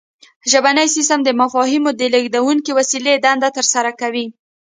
ژبنی سیستم د مفاهیمو د لیږدونکې وسیلې دنده ترسره کوي